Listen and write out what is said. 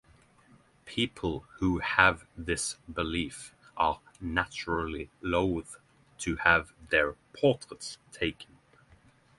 People who have this belief are naturally loath to have their portraits taken.